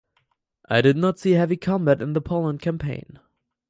It did not see heavy combat in the Poland campaign.